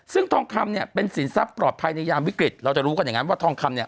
ซึ่งทองคำเนี่ยเป็นสินทรัพย์ปลอดภัยในยามวิกฤตเราจะรู้กันอย่างนั้นว่าทองคำเนี่ย